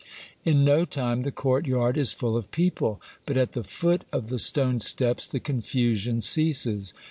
In no time the courtyard is full of people. But at the foot of the stone steps the confusion ceases.